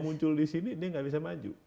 muncul di sini dia nggak bisa maju